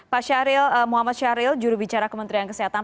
pak syahril muhammad syahril jurubicara kementerian kesehatan